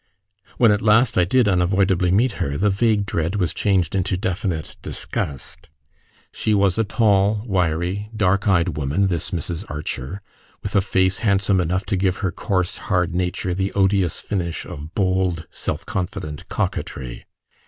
When at last I did unavoidably meet her, the vague dread was changed into definite disgust. She was a tall, wiry, dark eyed woman, this Mrs. Archer, with a face handsome enough to give her coarse hard nature the odious finish of bold, self confident coquetry.